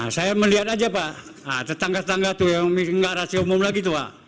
saya melihat aja pak tetangga tetangga itu yang gak rasa umum lagi